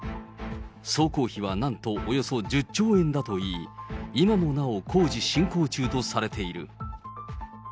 総工費はなんとおよそ１０兆円だといい、今もなお、工事進行中とされている。